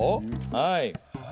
はい。